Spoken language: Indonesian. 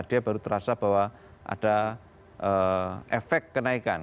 dia baru terasa bahwa ada efek kenaikan